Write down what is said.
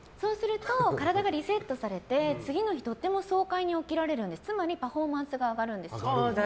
そうすると体がリセットされて次の日、とても爽快に起きられるつまりパフォーマンスが上がるんです。